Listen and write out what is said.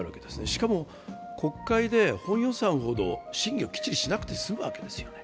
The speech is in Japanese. しかも、国会で本予算ほど審議がきっちりしなくて済むわけですよね。